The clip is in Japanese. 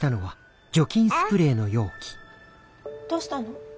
どうしたの？